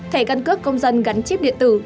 thể căn cước công dân gắn chip điện tử